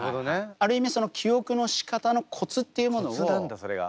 ある意味記憶のしかたのコツっていうものをポイント